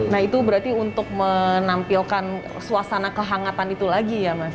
nah itu berarti untuk menampilkan suasana kehangatan itu lagi ya mas